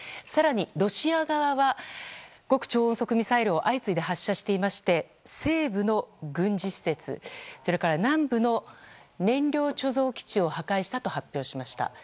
更に、ロシア側は極超音速ミサイルを相次いで発射していまして西部の軍事施設それから南部の燃料貯蔵基地を破壊したと発表しました。